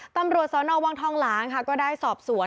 ตำรวจสนวังทองหลางค่ะก็ได้สอบสวน